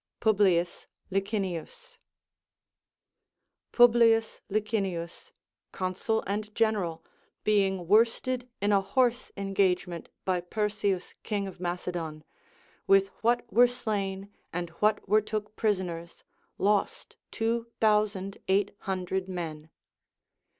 Publics Licinius. Publius Liciiiius, consul and general, being worsted in a horse engagement by Perseus king of Macedon, with what were slain and what were took pris 232 THE APOPHTHEGMS OF KINGS oners, lost two thousand eight hundred men.